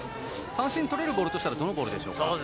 三振とれるボールとしてはどのボールでしょうか。